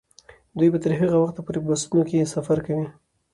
دوی به تر هغه وخته پورې په بسونو کې سفر کوي.